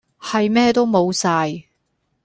係咩都無晒